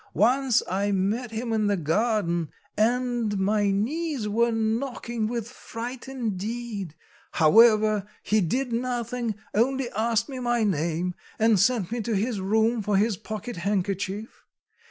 Once I met him in the garden and my knees were knocking with fright indeed; however, he did nothing, only asked me my name, and sent me to his room for his pocket handkerchief.